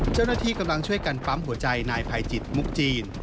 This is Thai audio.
เจ้าหน้าที่กำลังช่วยกันปั๊มหัวใจนายภัยจิตมุกจีน